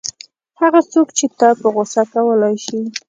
هغه څوک چې تا په غوسه کولای شي.